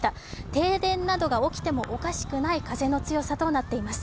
停電などが起きてもおかしくない風の強さとなっています。